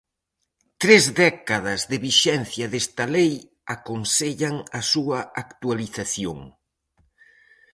Tres décadas de vixencia desta lei aconsellan a súa actualización.